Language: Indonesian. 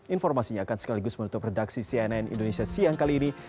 informasinya akan sekaligus menutup redaksi cnn indonesia siang kali ini